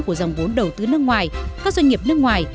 của dòng vốn đầu tư nước ngoài các doanh nghiệp nước ngoài